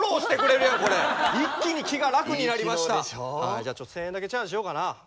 じゃあ１，０００円だけチャージしようかな。